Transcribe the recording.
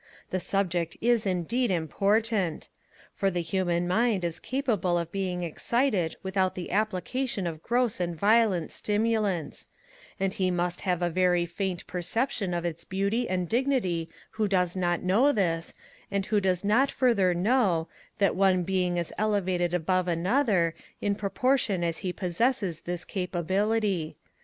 The subject is indeed important! For the human mind is capable of being excited without the application of gross and violent stimulants; and he must have a very faint perception of its beauty and dignity who does not know this, and who does not further know, that one being is elevated above another, in proportion as he possesses this capability.